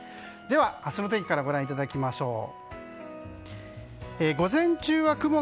では明日の天気からご覧いただきましょう。